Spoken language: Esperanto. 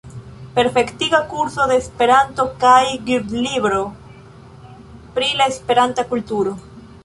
Perfektiga kurso de Esperanto kaj Gvidlibro pri la Esperanta kulturo.